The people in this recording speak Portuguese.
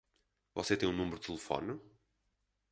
Você tem um número de telefone?